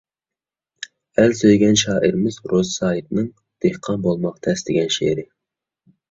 ئەل سۆيگەن شائىرىمىز روزى سايىتنىڭ «دېھقان بولماق تەس» دېگەن شېئىرى.